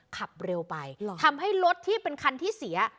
ขับเร็วไปทำให้รถที่เป็นคันที่เสีย